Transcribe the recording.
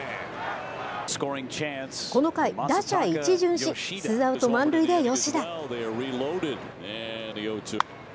この回、打者一巡し、ツーアウト満塁で吉田。